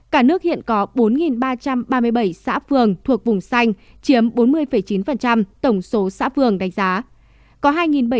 cả nước hiện có bốn ba trăm ba mươi bảy xã phường thuộc vùng xanh chiếm bốn mươi chín tổng số xã phường đánh giá